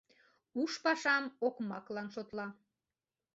Уш пашам окмаклан шотла.